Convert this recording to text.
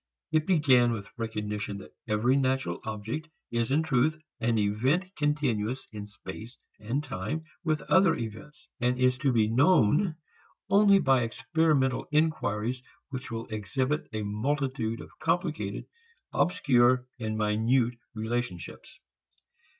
It began with recognition that every natural object is in truth an event continuous in space and time with other events; and is to be known only by experimental inquiries which will exhibit a multitude of complicated, obscure and minute relationships.